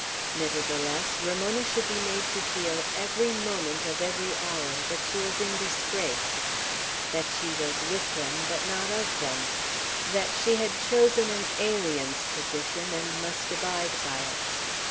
Nevertheless, Ramona should be made to feel, every moment of every hour, that she was in disgrace; that she was with them, but not of them; that she had chosen an alien's position, and must abide by it.